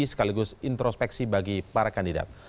sekaligus introspeksi bagi para kandidat